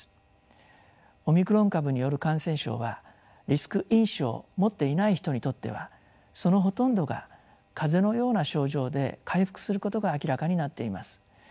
オミクロン株による感染症はリスク因子をもっていない人にとってはそのほとんどが風邪のような症状で回復することが明らかになっています。